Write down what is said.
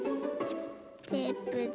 テープで。